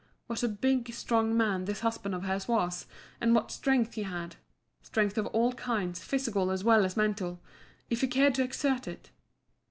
What a big, strong man this husband of hers was, and what strength he had strength of all kinds, physical as well as mental if he cared to exert it.